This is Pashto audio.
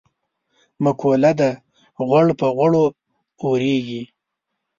مقوله ده: غوړ په غوړو اورېږي.